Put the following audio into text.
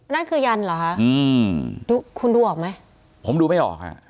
นั่นคือยันเหรอคะอืมดูคุณดูออกไหมผมดูไม่ออกค่ะ